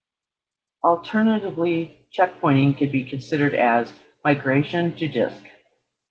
Alternatively checkpointing can be considered as "migration to disk".